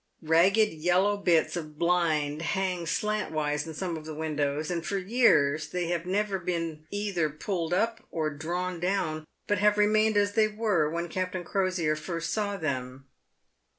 Bagged, yellow bits of blind hang slantways in some of the win dows, and for years they have never been either pulled up or drawn down, but have remained as they were when Captain Crosier first saw them.